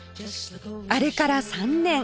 あれから３年